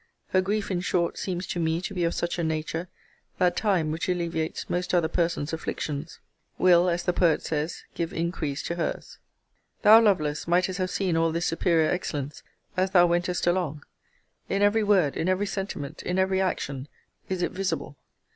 Her grief, in short, seems to me to be of such a nature, that time, which alleviates most other person's afflictions, will, as the poet says, give increase to her's. Thou, Lovelace, mightest have seen all this superior excellence, as thou wentest along. In every word, in every sentiment, in every action, is it visible.